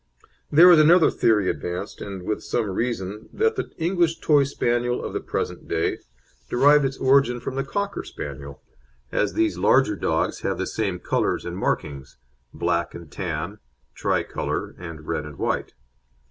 There is another theory advanced, and with some reason that the English Toy Spaniel of the present day derived its origin from the Cocker Spaniel, as these larger dogs have the same colours and markings, black and tan, tricolour, and red and white.